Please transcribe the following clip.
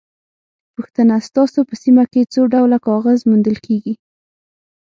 پوښتنه: ستاسو په سیمه کې څو ډوله کاغذ موندل کېږي؟